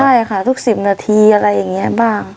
ใช่ค่ะทุก๑๐นาทีอะไรอย่างนี้บ้าง